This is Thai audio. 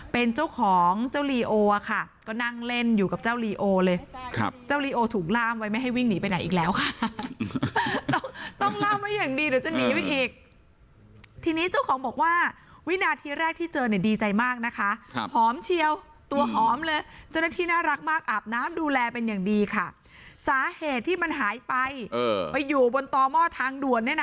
เป็นเจ้าของเจ้าลีโอค่ะก็นั่งเล่นอยู่กับเจ้าลีโอเลยครับเจ้าลีโอถูกล่ามไว้ไม่ให้วิ่งหนีไปไหนอีกแล้วค่ะต้องล่ามไว้อย่างดีเดี๋ยวจะหนีไปอีกทีนี้เจ้าของบอกว่าวินาทีแรกที่เจอเนี่ยดีใจมากนะคะหอมเชียวตัวหอมเลยเจ้าหน้าที่น่ารักมากอาบน้ำดูแลเป็นอย่างดีค่ะสาเหตุที่มันหายไปไปอยู่บนต่อหม้อทางด่วนเนี่ยนะ